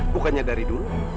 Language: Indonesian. bukannya dari dulu